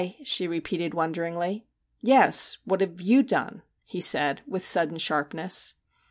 ' she repeated wonderingly. ' Yes what have you done ?' he said, with sudden sharpness.